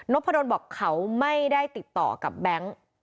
พะดนบอกเขาไม่ได้ติดต่อกับแบงค์